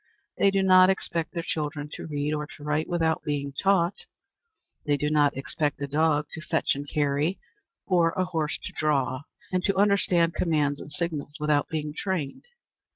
They do not expect their children to read or to write without being taught; they do not expect a dog to fetch and carry, or a horse to draw and to understand commands and signals, without being trained.